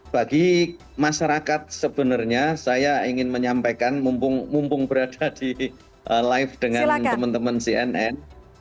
bagi masyarakat sebenarnya saya ingin menyampaikan mumpung berada di live dengan teman teman cnn